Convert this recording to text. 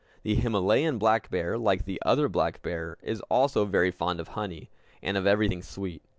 The Himalayan black bear, like the other black bear, is also very fond of honey, and of everything sweet.